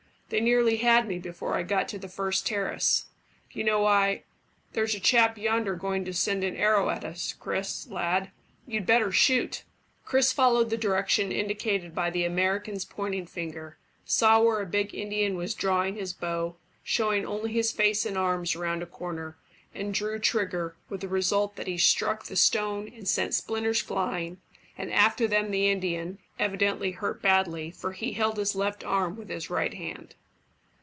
They nearly had me before I got to the first terrace. You know I There's a chap yonder going to send an arrow at us, Chris, lad. You'd better shoot." Chris followed the direction indicated by the American's pointing finger, saw where a big Indian was drawing his bow, showing only his face and arms round a corner, and drew trigger, with the result that he struck the stone and sent splinters flying, and after them the Indian, evidently hurt badly, for he held his left arm with his right hand.